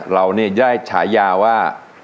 เราเนี่ยได้ฉายาว่า